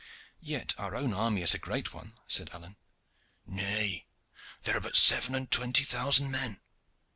"Yet our own army is a great one," said Alleyne. "Nay, there are but seven and twenty thousand men.